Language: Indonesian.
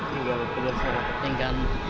ini juga perlu saya pertingkan